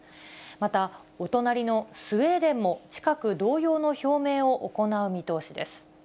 また、お隣のスウェーデンも、近く同様の表明を行う見通しです。